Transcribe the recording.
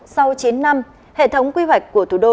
sau chín năm hệ thống quy hoạch của thủ đô